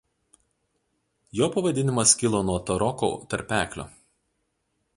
Jo pavadinimas kilo nuo Taroko tarpeklio.